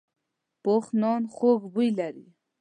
پوخ نان خوږ بوی لري